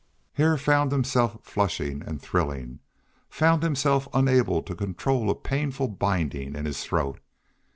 Hare found himself flushing and thrilling, found himself unable to control a painful binding in his throat.